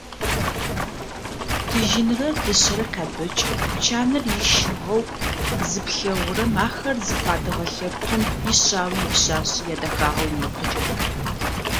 Тыжьынрэ, дышъэрэ къябэкӏэу, пчанэр ищыгъэу зыплъэгъурэм ахэр зыфадыгъэ лъэпкъым ишъауи ипшъашъи ядэхагъэ унэгу къыкӏэуцо.